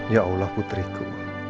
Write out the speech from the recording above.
ya allah putriku